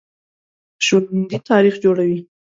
ژوندي تاریخ جوړوي